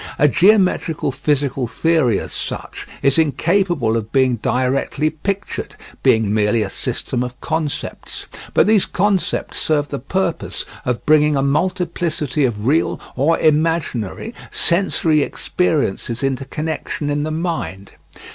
A geometrical physical theory as such is incapable of being directly pictured, being merely a system of concepts. But these concepts serve the purpose of bringing a multiplicity of real or imaginary sensory experiences into connection in the mind.